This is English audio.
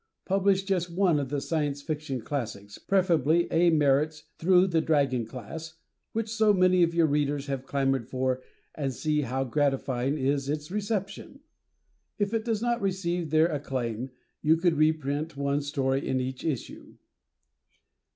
Publish just one of the Science Fiction classics, preferably A. Merritt's "Through the Dragon Class," which so many of your Readers have clamored for and see how gratifying is its reception. If it does receive their acclaim, you could reprint one story in each issue.